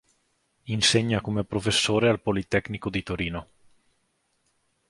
Insegna come Professore al Politecnico di Torino.